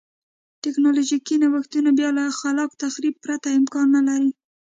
ټکنالوژیکي نوښتونه بیا له خلاق تخریب پرته امکان نه لري.